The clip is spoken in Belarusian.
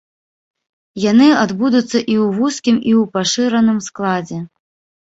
Яны адбудуцца і ў вузкім, і ў пашыраным складзе.